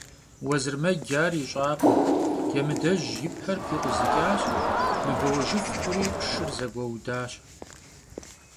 Vuezırmec ar yiş'akhım: Cemıdej yi per pikhuzıç'aş, mıbeuejjıf xhuri, şşır zegueudaş.